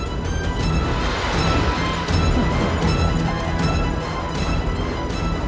untuk cucunya rangga buat